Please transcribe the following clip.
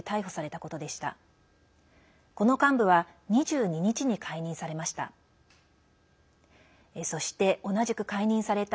この幹部は２２日に解任されました。